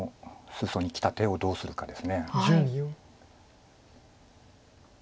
裾にきた手をどうするかです。